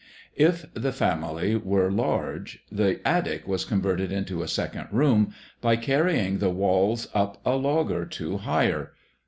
If the family were large the attic was converted into a second room by carrying the walls up a log or two higher.